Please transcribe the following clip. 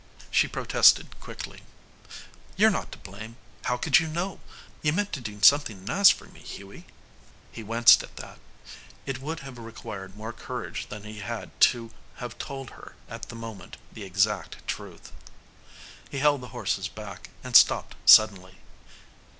She protested quickly: "You're not to blame. How could you know? You meant to do something nice for me, Hughie." He winced at that. It would have required more courage than he had to have told her at the moment the exact truth. He held the horses back and stopped suddenly.